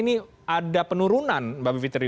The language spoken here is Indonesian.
ini ada penurunan mbak b fitri